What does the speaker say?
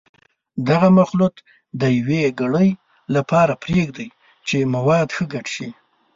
دغه مخلوط د یوې ګړۍ لپاره پرېږدئ چې مواد ښه ګډ شي.